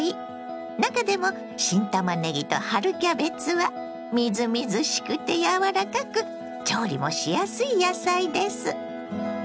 中でも新たまねぎと春キャベツはみずみずしくて柔らかく調理もしやすい野菜です。